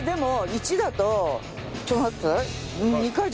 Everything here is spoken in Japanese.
１だと。